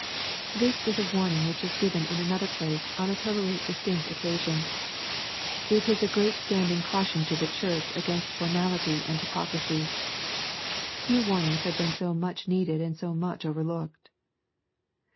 ] This is a warning which is given in another place, on a totally distinct occasion. It is a great standing caution to the Church against formality jind hypocrisy. Few warnings have been so much needed and 30 much overlooked.